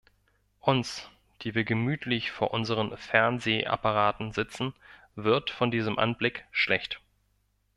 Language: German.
Uns, die wir gemütlich vor unseren Fernsehapparaten sitzen, wird von diesem Anblick schlecht.